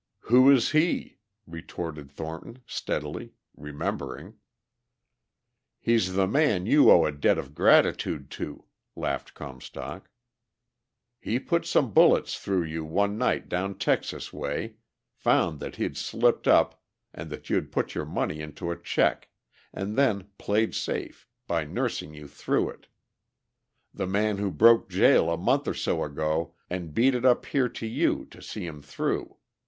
"Who is he?" retorted Thornton steadily ... remembering. "He's the man you owe a debt of gratitude to," laughed Comstock. "He put some bullets through you one night down Texas way, found that he'd slipped up and that you'd put your money into a check, and then played safe by nursing you through it! The man who broke jail a month or so ago, and beat it up here to you to see him through.